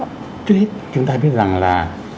trước hết chúng ta biết rằng là